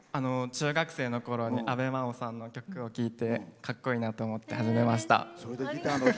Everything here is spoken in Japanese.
中学生のころに阿部真央さんの曲を聴いてかっこいいなって思って始めました。